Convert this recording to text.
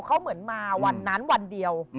เขาเหมือนมาวันนั้นวันเดียว